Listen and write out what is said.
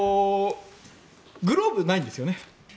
グローブがないんですよね。